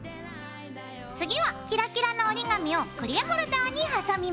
次はキラキラの折り紙をクリアホルダーに挟みます。